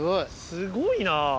すごいな。